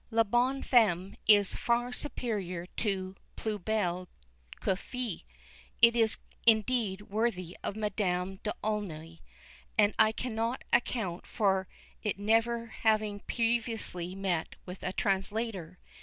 La Bonne Femme is far superior to Plus Belle que Fée. It is indeed worthy of Madame d'Aulnoy, and I cannot account for its never having previously met with a translator.